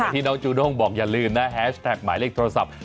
ที่น้องจูนกบอกอย่าลืมนะหมายเลขโทรศัพท์